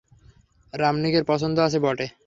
রামনিকের পছন্দ আছে বটে।